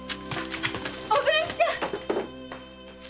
おぶんちゃん！